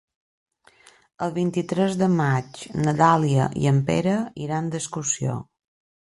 El vint-i-tres de maig na Dàlia i en Pere iran d'excursió.